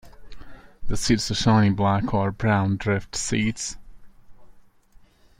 The seeds are shiny black or brown drift seeds.